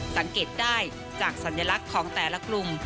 สังเกตได้จากสัญลักษณ์ของแต่ละกลุ่ม